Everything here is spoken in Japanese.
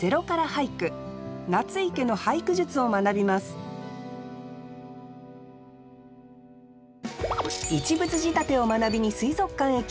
夏井家の俳句術を学びます「一物仕立て」を学びに水族館へ来ている２人。